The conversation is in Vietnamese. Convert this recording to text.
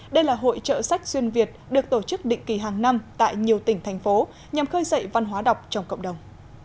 đây là hội trợ sách xuyên việt được tổ chức định kỳ hàng năm tại nhiều tỉnh thành phố nhằm khơi dậy văn hóa đọc trong cộng đồng